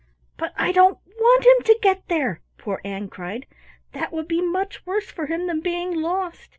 "But I don't want him to get there!" poor Ann cried. "That would be much worse for him than being lost.